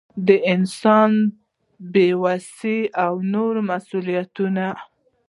د انسان بې وسي او نور مسؤلیتونه.